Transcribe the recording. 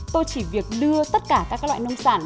tôi chỉ việc đưa tất cả các loại nông sản